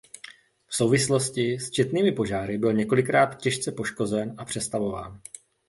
V souvislosti s četnými požáry byl několikrát těžce poškozen a přestavován.